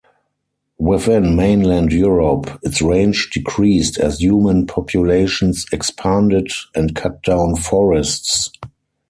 Within mainland Europe, its range decreased as human populations expanded and cut down forests.